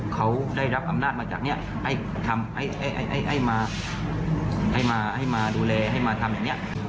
เขาได้รับอำนาจมาจากนี้ให้มาให้มาดูแลให้มาทำอย่างนี้